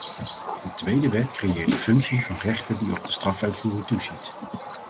De tweede wet creëert de functie van rechter die op de strafuitvoering toeziet.